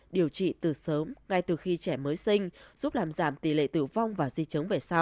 điều trị từ sớm ngay từ khi trẻ mới sinh